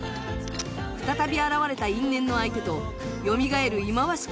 再び現れた因縁の相手とよみがえる忌まわし